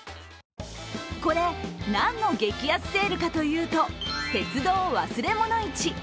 これ、何の激安セールかというと、鉄道忘れ物市。